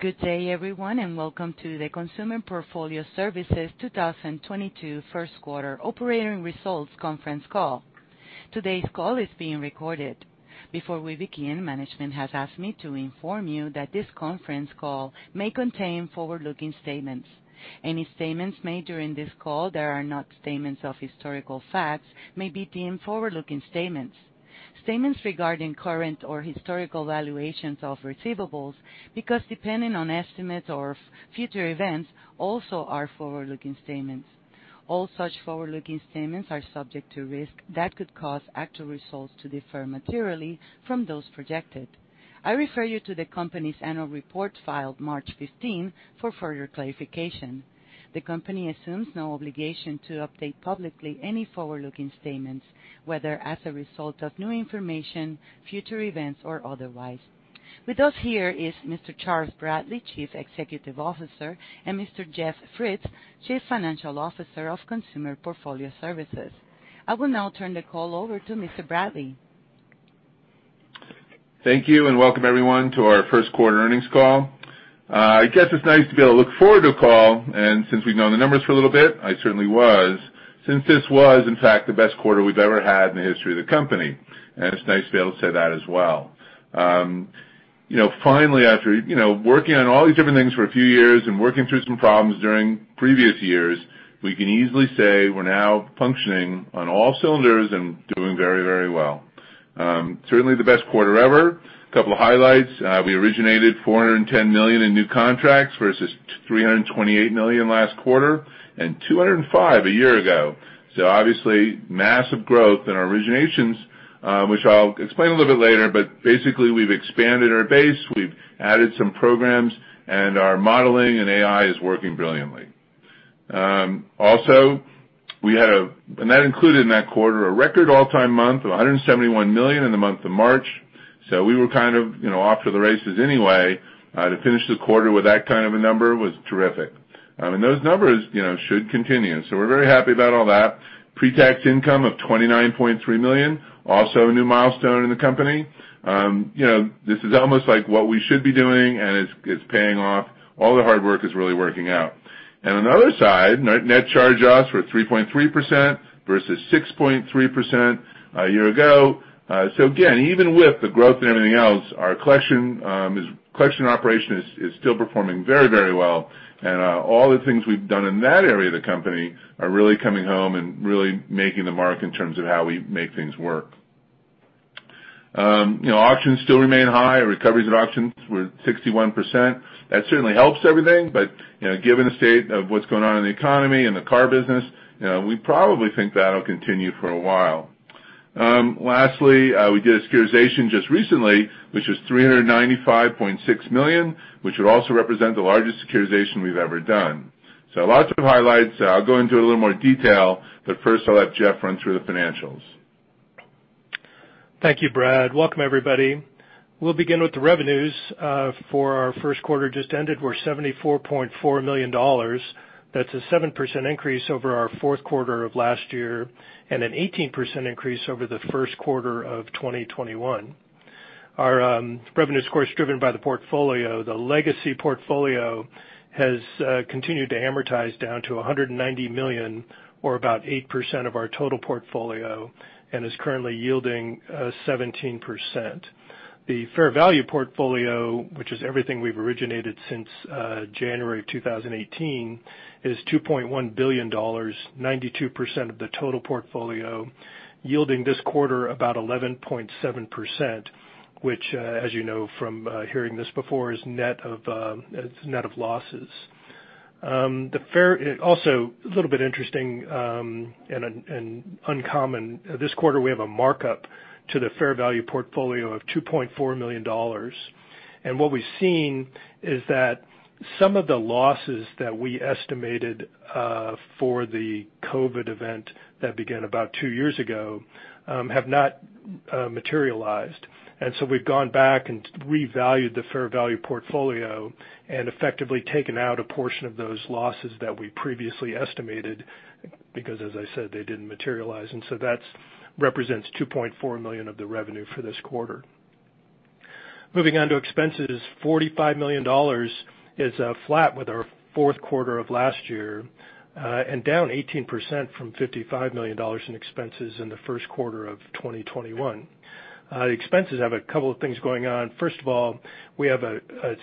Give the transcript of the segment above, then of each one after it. Good day, everyone, and welcome to the Consumer Portfolio Services 2022 first quarter operating results conference call. Today's call is being recorded. Before we begin, management has asked me to inform you that this conference call may contain forward-looking statements. Any statements made during this call that are not statements of historical facts may be deemed forward-looking statements. Statements regarding current or historical valuations of receivables, based on estimates or future events, also are forward-looking statements. All such forward-looking statements are subject to risk that could cause actual results to differ materially from those projected. I refer you to the company's annual report filed March 15 for further clarification. The company assumes no obligation to update publicly any forward-looking statements, whether as a result of new information, future events, or otherwise. With us here is Mr. Charles E. Bradley, Jr., Chief Executive Officer, and Mr. Jeff Fritz, Chief Financial Officer of Consumer Portfolio Services. I will now turn the call over to Mr. Bradley. Thank you, and welcome everyone to our first quarter earnings call. I guess it's nice to be able to look forward to a call, and since we've known the numbers for a little bit, I certainly was, since this was in fact the best quarter we've ever had in the history of the company. It's nice to be able to say that as well. You know, finally, after, you know, working on all these different things for a few years and working through some problems during previous years, we can easily say we're now functioning on all cylinders and doing very, very well. Certainly the best quarter ever. A couple of highlights. We originated $410 million in new contracts versus $328 million last quarter, and $205 million a year ago. Obviously, massive growth in our originations, which I'll explain a little bit later, but basically, we've expanded our base, we've added some programs, and our modeling and AI is working brilliantly. Also, that included in that quarter a record all-time month of $171 million in the month of March. We were kind of, you know, off to the races anyway. To finish the quarter with that kind of a number was terrific. Those numbers, you know, should continue. We're very happy about all that. Pre-tax income of $29.3 million, also a new milestone in the company. You know, this is almost like what we should be doing, and it's paying off. All the hard work is really working out. On the other side, net charge-offs were 3.3% versus 6.3% a year ago. Again, even with the growth and everything else, our collection operation is still performing very, very well. All the things we've done in that area of the company are really coming home and really making the mark in terms of how we make things work. You know, auctions still remain high. Recoveries at auctions were 61%. That certainly helps everything, but, you know, given the state of what's going on in the economy and the car business, you know, we probably think that'll continue for a while. Lastly, we did a securitization just recently, which was $395.6 million, which would also represent the largest securitization we've ever done. Lots of highlights. I'll go into a little more detail, but first I'll let Jeff run through the financials. Thank you, Brad. Welcome, everybody. We'll begin with the revenues. For our first quarter just ended were $74.4 million. That's a 7% increase over our fourth quarter of last year and an 18% increase over the first quarter of 2021. Our revenue's of course driven by the portfolio. The legacy portfolio has continued to amortize down to $190 million or about 8% of our total portfolio and is currently yielding 17%. The fair value portfolio, which is everything we've originated since January of 2018, is $2.1 billion, 92% of the total portfolio, yielding this quarter about 11.7%, which, as you know from hearing this before, is net of, it's net of losses. The fair... Also a little bit interesting and uncommon, this quarter we have a markup to the fair value portfolio of $2.4 million. What we've seen is that some of the losses that we estimated for the COVID event that began about two years ago have not materialized. We've gone back and revalued the fair value portfolio and effectively taken out a portion of those losses that we previously estimated, because as I said, they didn't materialize. That represents $2.4 million of the revenue for this quarter. Moving on to expenses, $45 million is flat with our fourth quarter of last year and down 18% from $55 million in expenses in the first quarter of 2021. Expenses have a couple of things going on. First of all, we have a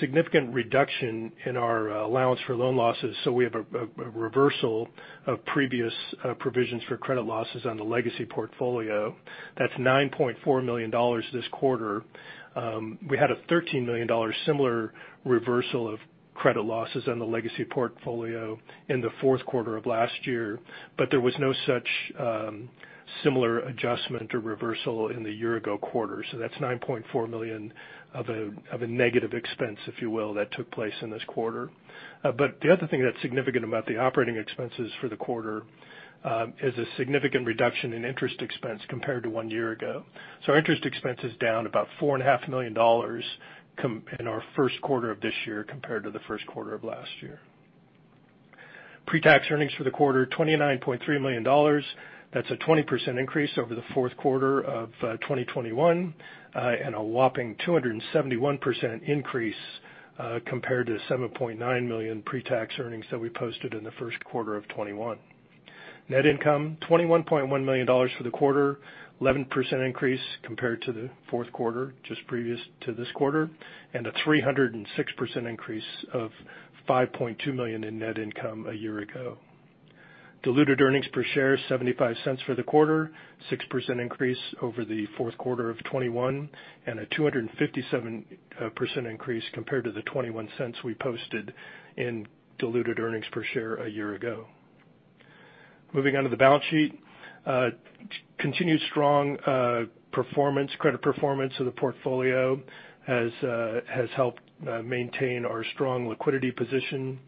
significant reduction in our allowance for loan losses, so we have a reversal of previous provisions for credit losses on the legacy portfolio. That's $9.4 million this quarter. We had a $13 million similar reversal of credit losses on the legacy portfolio in the fourth quarter of last year, but there was no such similar adjustment or reversal in the year ago quarter. That's $9.4 million of a negative expense, if you will, that took place in this quarter. The other thing that's significant about the operating expenses for the quarter is a significant reduction in interest expense compared to one year ago. Our interest expense is down about $4.5 million, in our first quarter of this year compared to the first quarter of last year. Pre-tax earnings for the quarter, $29.3 million. That's a 20% increase over the fourth quarter of 2021, and a whopping 271% increase compared to $7.9 million pre-tax earnings that we posted in the first quarter of 2021. Net income, $21.1 million for the quarter, 11% increase compared to the fourth quarter just previous to this quarter, and a 306% increase of $5.2 million in net income a year ago. Diluted earnings per share $0.75 for the quarter, 6% increase over the fourth quarter of 2021, and a 257% increase compared to the $0.21 we posted in diluted earnings per share a year ago. Moving on to the balance sheet. Continued strong credit performance of the portfolio has helped maintain our strong liquidity position.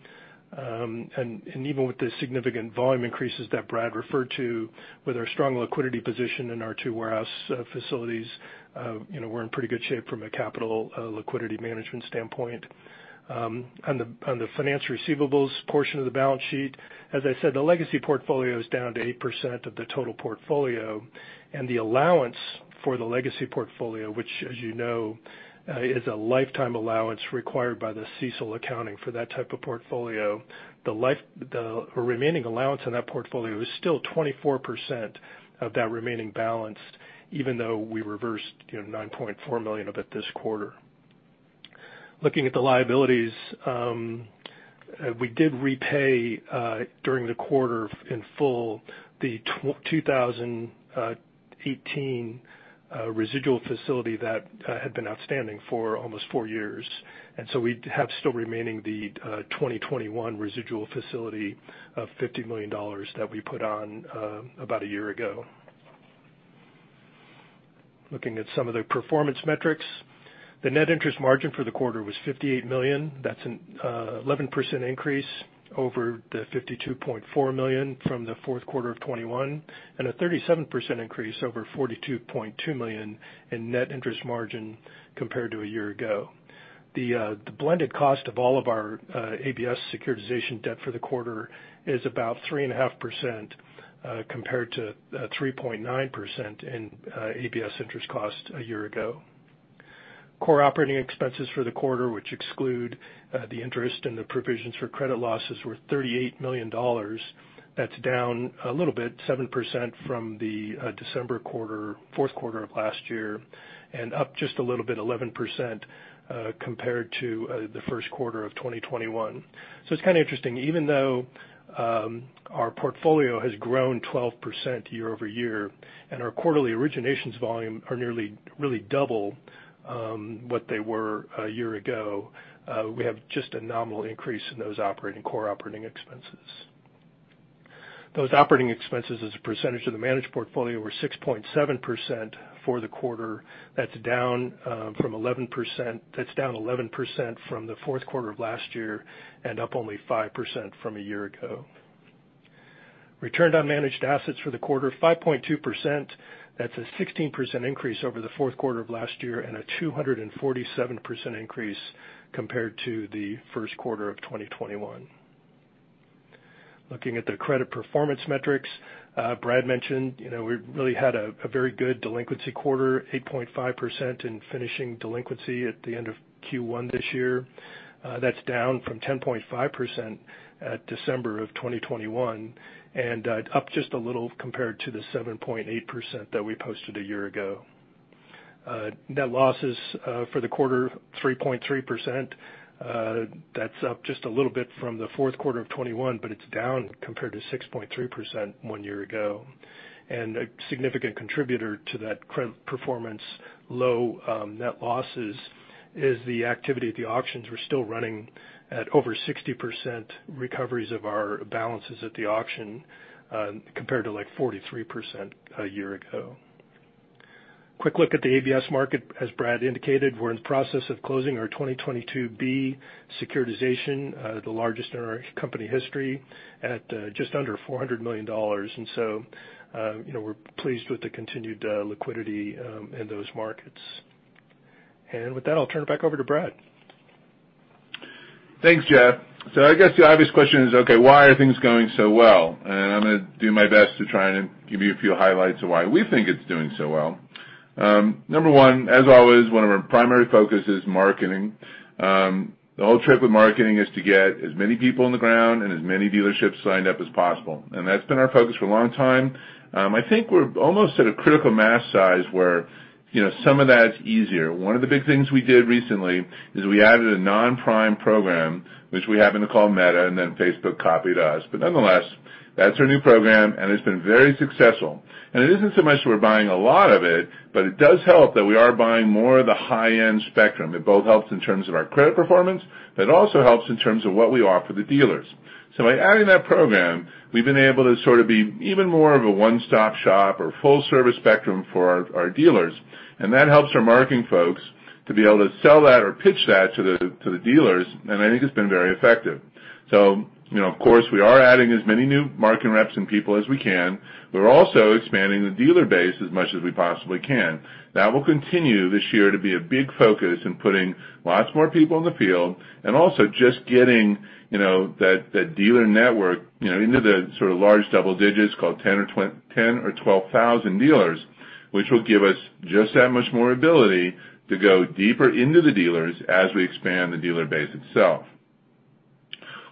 And even with the significant volume increases that Brad referred to, with our strong liquidity position in our two warehouse facilities, you know, we're in pretty good shape from a capital liquidity management standpoint. On the finance receivables portion of the balance sheet, as I said, the legacy portfolio is down to 8% of the total portfolio. The allowance for the legacy portfolio, which, as you know, is a lifetime allowance required by the CECL accounting for that type of portfolio. The remaining allowance in that portfolio is still 24% of that remaining balance, even though we reversed, you know, $9.4 million of it this quarter. Looking at the liabilities, we did repay during the quarter in full the 2018 residual facility that had been outstanding for almost four years. We have still remaining the 2021 residual facility of $50 million that we put on about a year ago. Looking at some of the performance metrics, the net interest margin for the quarter was $58 million. That's an 11% increase over the $52.4 million from the fourth quarter of 2021, and a 37% increase over $42.2 million in net interest margin compared to a year ago. The blended cost of all of our ABS securitization debt for the quarter is about 3.5%, compared to 3.9% in ABS interest cost a year ago. Core operating expenses for the quarter, which exclude the interest and the provisions for credit losses, were $38 million. That's down a little bit, 7% from the December quarter, fourth quarter of last year, and up just a little bit, 11%, compared to the first quarter of 2021. It's kind of interesting. Even though our portfolio has grown 12% year-over-year and our quarterly originations volume are nearly really double what they were a year ago, we have just a nominal increase in those operating, core operating expenses. Those operating expenses as a percentage of the managed portfolio were 6.7% for the quarter. That's down from 11%. That's down 11% from the fourth quarter of last year and up only 5% from a year ago. Return on managed assets for the quarter, 5.2%. That's a 16% increase over the fourth quarter of last year and a 247% increase compared to the first quarter of 2021. Looking at the credit performance metrics, Brad mentioned, you know, we really had a very good delinquency quarter, 8.5% ending delinquency at the end of Q1 this year. That's down from 10.5% at December 2021 and up just a little compared to the 7.8% that we posted a year ago. Net losses for the quarter, 3.3%. That's up just a little bit from the fourth quarter of 2021, but it's down compared to 6.3% one year ago. A significant contributor to that credit performance, low net losses is the activity at the auctions. We're still running at over 60% recoveries of our balances at the auction compared to, like, 43% a year ago. Quick look at the ABS market. As Brad indicated, we're in the process of closing our 2022-B securitization, the largest in our company history, at just under $400 million. We're pleased with the continued liquidity in those markets. With that, I'll turn it back over to Brad. Thanks, Jeff. I guess the obvious question is, okay, why are things going so well? I'm gonna do my best to try and give you a few highlights of why we think it's doing so well. Number one, as always, one of our primary focus is marketing. The whole trick with marketing is to get as many people on the ground and as many dealerships signed up as possible, and that's been our focus for a long time. I think we're almost at a critical mass size where, you know, some of that's easier. One of the big things we did recently is we added a non-prime program, which we happen to call Meta and then Facebook copied us. Nonetheless, that's our new program and it's been very successful. It isn't so much that we're buying a lot of it, but it does help that we are buying more of the high-end spectrum. It both helps in terms of our credit performance, but it also helps in terms of what we offer the dealers. By adding that program, we've been able to sort of be even more of a one-stop shop or full service spectrum for our dealers, and that helps our marketing folks. To be able to sell that or pitch that to the dealers, and I think it's been very effective. You know, of course, we are adding as many new market reps and people as we can. We're also expanding the dealer base as much as we possibly can. That will continue this year to be a big focus in putting lots more people in the field and also just getting, you know, that dealer network, you know, into the sort of large double digits, call it 10,000 or 12,000 dealers, which will give us just that much more ability to go deeper into the dealers as we expand the dealer base itself.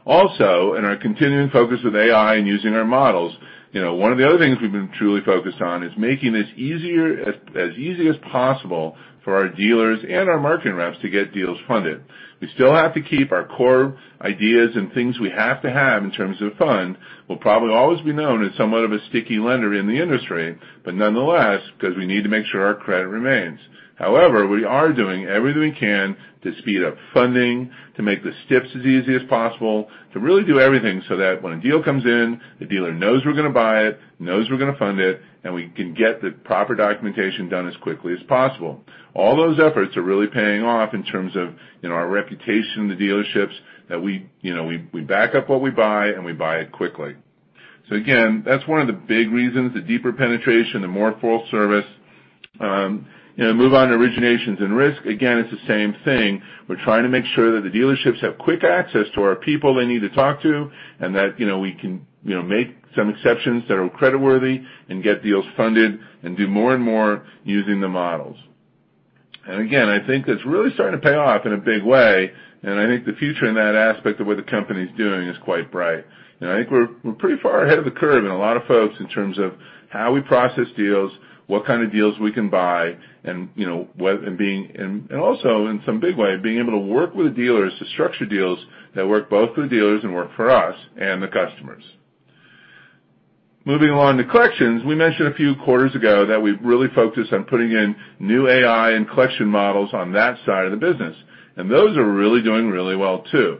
Also, in our continuing focus with AI and using our models, you know, one of the other things we've been truly focused on is making this easier as easy as possible for our dealers and our marketing reps to get deals funded. We still have to keep our core ideas and things we have to have in terms of fund. We'll probably always be known as somewhat of a sticky lender in the industry, but nonetheless, 'cause we need to make sure our credit remains. However, we are doing everything we can to speed up funding, to make the steps as easy as possible, to really do everything so that when a deal comes in, the dealer knows we're gonna buy it, knows we're gonna fund it, and we can get the proper documentation done as quickly as possible. All those efforts are really paying off in terms of, you know, our reputation in the dealerships that we back up what we buy and we buy it quickly. Again, that's one of the big reasons, the deeper penetration, the more full service, you know, move on to originations and risk. Again, it's the same thing. We're trying to make sure that the dealerships have quick access to our people they need to talk to, and that, you know, we can, you know, make some exceptions that are creditworthy and get deals funded and do more and more using the models. Again, I think it's really starting to pay off in a big way, and I think the future in that aspect of what the company's doing is quite bright. I think we're pretty far ahead of the curve than a lot of folks in terms of how we process deals, what kind of deals we can buy, and, you know, and also in some big way, being able to work with the dealers to structure deals that work both for the dealers and work for us and the customers. Moving on to collections. We mentioned a few quarters ago that we've really focused on putting in new AI and collection models on that side of the business, and those are really doing well too.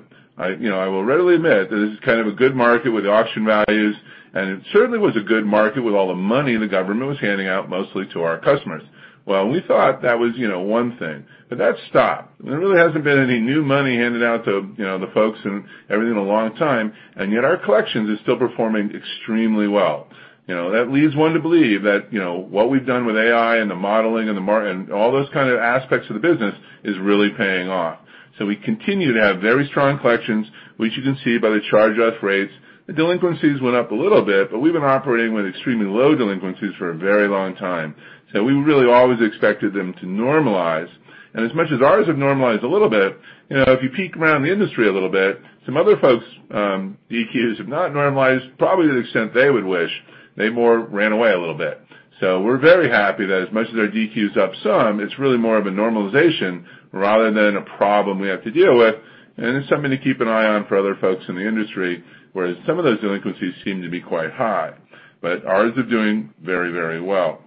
You know, I will readily admit that this is kind of a good market with auction values, and it certainly was a good market with all the money the government was handing out mostly to our customers. Well, we thought that was, you know, one thing, but that stopped. There really hasn't been any new money handed out to, you know, the folks in everything in a long time, and yet our collections is still performing extremely well. You know, that leads one to believe that, you know, what we've done with AI and the modeling and all those kind of aspects of the business is really paying off. We continue to have very strong collections, which you can see by the charge-off rates. The delinquencies went up a little bit, but we've been operating with extremely low delinquencies for a very long time. We really always expected them to normalize. As much as ours have normalized a little bit, you know, if you peek around the industry a little bit, some other folks' DQs have not normalized probably to the extent they would wish. They more ran away a little bit. We're very happy that as much as our DQs up some, it's really more of a normalization rather than a problem we have to deal with. It's something to keep an eye on for other folks in the industry, whereas some of those delinquencies seem to be quite high. Ours are doing very, very well.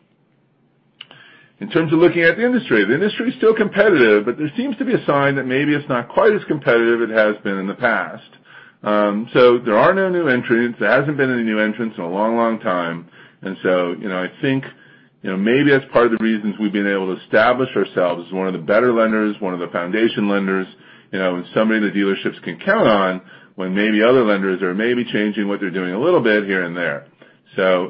In terms of looking at the industry, the industry is still competitive, but there seems to be a sign that maybe it's not quite as competitive as it has been in the past. So there are no new entrants. There hasn't been any new entrants in a long, long time. You know, I think, you know, maybe that's part of the reasons we've been able to establish ourselves as one of the better lenders, one of the foundation lenders, you know, and somebody the dealerships can count on when maybe other lenders are maybe changing what they're doing a little bit here and there.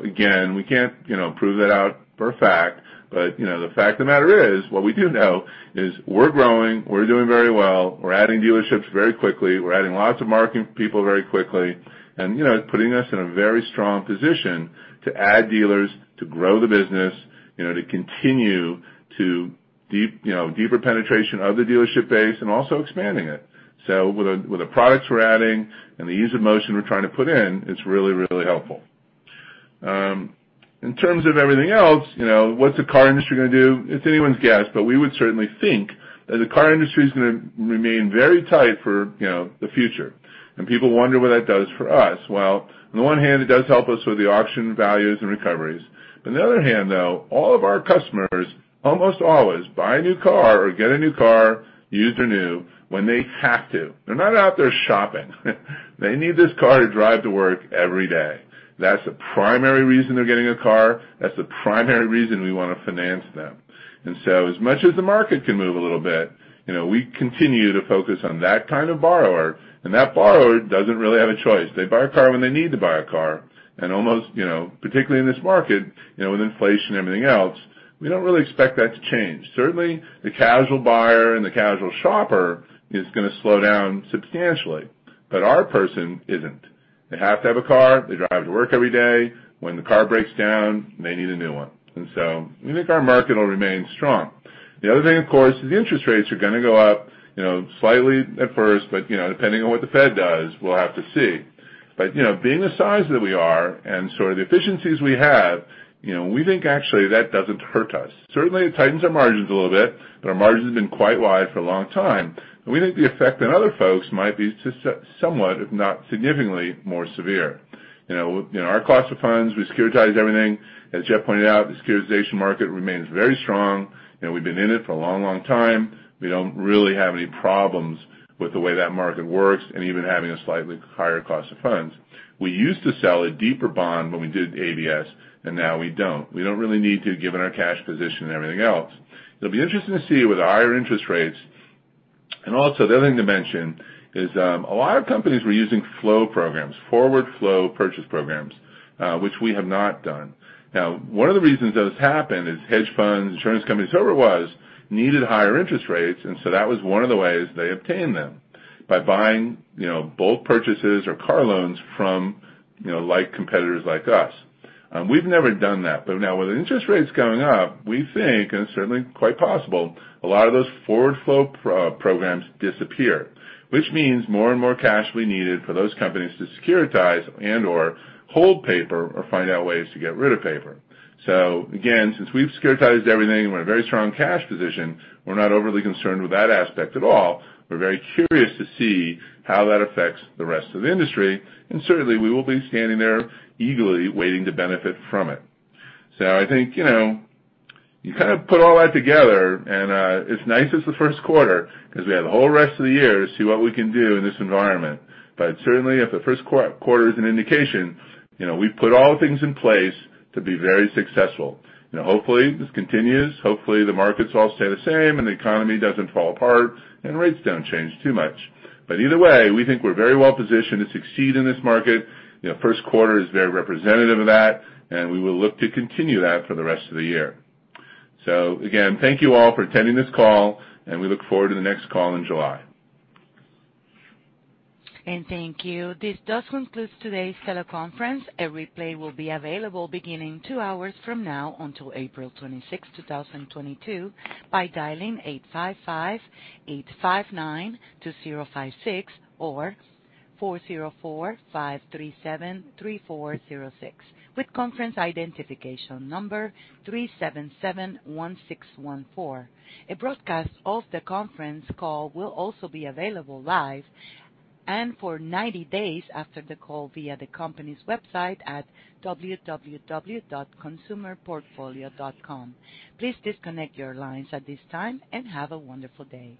Again, we can't, you know, prove that out for a fact, but, you know, the fact of the matter is, what we do know is we're growing, we're doing very well, we're adding dealerships very quickly, we're adding lots of marketing people very quickly. You know, it's putting us in a very strong position to add dealers, to grow the business, you know, to continue to deeper penetration of the dealership base and also expanding it. With the products we're adding and the ease of motion we're trying to put in, it's really, really helpful. In terms of everything else, you know, what's the car industry gonna do? It's anyone's guess, but we would certainly think that the car industry is gonna remain very tight for, you know, the future. People wonder what that does for us. Well, on the one hand, it does help us with the auction values and recoveries. On the other hand, though, all of our customers almost always buy a new car or get a new car, used or new, when they have to. They're not out there shopping. They need this car to drive to work every day. That's the primary reason they're getting a car. That's the primary reason we want to finance them. As much as the market can move a little bit, you know, we continue to focus on that kind of borrower, and that borrower doesn't really have a choice. They buy a car when they need to buy a car. Almost, you know, particularly in this market, you know, with inflation and everything else, we don't really expect that to change. Certainly, the casual buyer and the casual shopper is gonna slow down substantially, but our person isn't. They have to have a car. They drive to work every day. When the car breaks down, they need a new one. We think our market will remain strong. The other thing, of course, is the interest rates are gonna go up, you know, slightly at first, but, you know, depending on what the Fed does, we'll have to see. You know, being the size that we are and sort of the efficiencies we have, you know, we think actually that doesn't hurt us. Certainly, it tightens our margins a little bit, but our margins have been quite wide for a long time. We think the effect on other folks might be somewhat, if not significantly, more severe. You know, our cost of funds, we securitize everything. As Jeff pointed out, the securitization market remains very strong. You know, we've been in it for a long, long time. We don't really have any problems with the way that market works and even having a slightly higher cost of funds. We used to sell a deeper bond when we did ABS, and now we don't. We don't really need to, given our cash position and everything else. It'll be interesting to see with the higher interest rates. Also, the other thing to mention is, a lot of companies were using flow programs, forward flow purchase programs, which we have not done. Now, one of the reasons that has happened is hedge funds, insurance companies, whoever it was, needed higher interest rates, and so that was one of the ways they obtained them, by buying, you know, both purchases or car loans from, you know, like competitors like us. We've never done that. Now with interest rates going up, we think, and certainly quite possible, a lot of those forward flow programs disappear, which means more and more cash will be needed for those companies to securitize and/or hold paper or find out ways to get rid of paper. Again, since we've securitized everything, we're in a very strong cash position, we're not overly concerned with that aspect at all. We're very curious to see how that affects the rest of the industry. Certainly, we will be standing there eagerly waiting to benefit from it. I think, you know, you kind of put all that together and, as nice as the first quarter, 'cause we have the whole rest of the year to see what we can do in this environment. Certainly, if the first quarter is an indication, you know, we've put all things in place to be very successful. You know, hopefully, this continues. Hopefully, the markets all stay the same and the economy doesn't fall apart and rates don't change too much. Either way, we think we're very well positioned to succeed in this market. You know, first quarter is very representative of that, and we will look to continue that for the rest of the year. Again, thank you all for attending this call, and we look forward to the next call in July. Thank you. This does conclude today's teleconference. A replay will be available beginning two hours from now until April 26, 2022, by dialing 855-859-2056 or 404-537-3406, with conference identification number 377-1614. A broadcast of the conference call will also be available live and for 90 days after the call via the company's website at www.consumerportfolio.com. Please disconnect your lines at this time, and have a wonderful day.